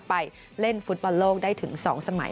ไปเล่นฟุตบอลโลกได้ถึง๒สมัย